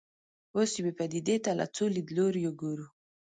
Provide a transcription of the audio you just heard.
اوس یوې پدیدې ته له څو لیدلوریو ګورو.